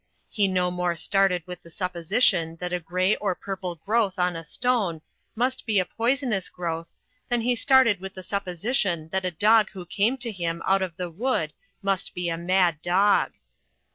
He no more started with the supposition that a grey or purple growth on a stone must be a poisonous growth than he started with the supposition that the dog who came to him out of the wood must be a mad dog.